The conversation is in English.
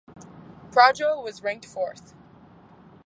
Prado was ranked fourth.